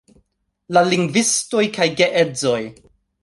La lingvistoj kaj geedzoj